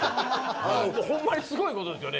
ほんまにすごいことですよね。